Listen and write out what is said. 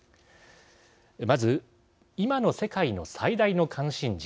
まず、今の世界の最大の関心事